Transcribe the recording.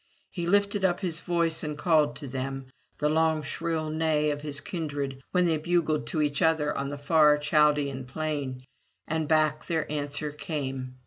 He lifted up his voice and called to them, the long shrill neigh of his kindred when they bugled to each other on the far Chaldean plain; and back their answer came.